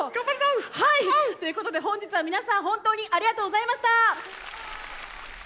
はい！ということで、本日は皆さん、本当にありがとうございました。